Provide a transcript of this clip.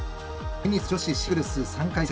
テニス女子シングルス３回戦。